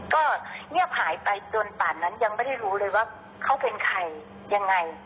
ก็เงียบหายไปจนป่านนั้นยังไม่ได้รู้เลยว่าเขาเป็นใครยังไง